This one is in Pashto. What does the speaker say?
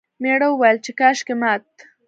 میړه وویل چې کاشکې مات...